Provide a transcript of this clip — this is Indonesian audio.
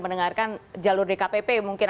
mendengarkan jalur dkpp mungkin